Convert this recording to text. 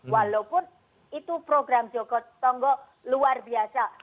walaupun itu program joko tonggo luar biasa